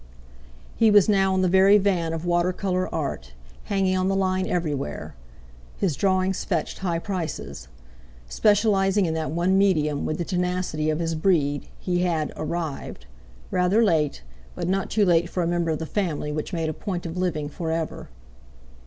He was now in the very van of water colour art, hanging on the line everywhere. His drawings fetched high prices. Specialising in that one medium with the tenacity of his breed, he had "arrived"—rather late, but not too late for a member of the family which made a point of living for ever.